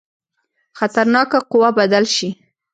خطرناکه قوه بدل شي.